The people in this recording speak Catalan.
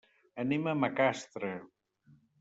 Anem a Macastre.